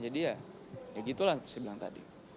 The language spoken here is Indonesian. jadi ya ya gitu lah yang saya bilang tadi